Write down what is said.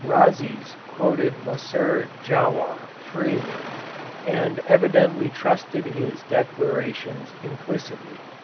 Rhazes quoted Maser Djawah freely and evidently trusted his declarations implicitly.